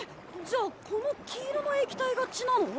じゃあこの黄色の液体が血なの？